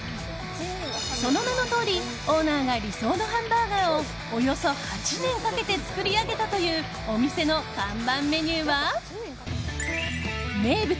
その名のとおりオーナーが理想のハンバーガーをおよそ８年かけて作り上げたというお店の看板メニューは名物！